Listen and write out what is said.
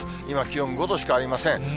今、気温５度しかありません。